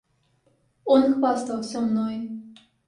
Он хвастался мной.